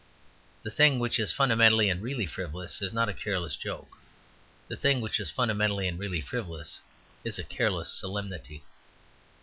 The thing which is fundamentally and really frivolous is not a careless joke. The thing which is fundamentally and really frivolous is a careless solemnity.